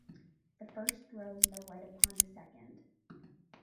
The first throws no light upon the second.